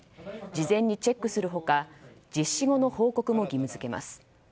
事前にチェックする他実施後の報告も義務付けます。